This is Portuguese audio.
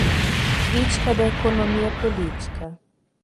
Crítica da Economia Política